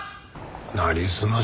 なりすまし？